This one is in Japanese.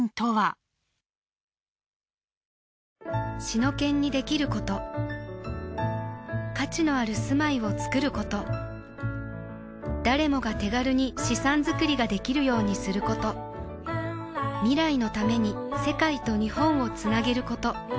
シノケンにできること価値のある住まいをつくること誰もが手軽に資産づくりができるようにすること未来のために世界と日本をつなげること